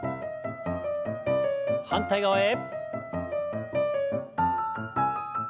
反対側へ。